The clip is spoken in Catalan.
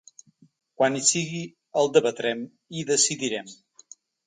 Quan hi sigui, el debatrem, i decidirem.